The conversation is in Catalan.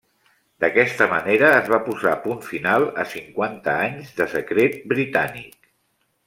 D'aquesta manera es va posar punt final a cinquanta anys de secret britànic.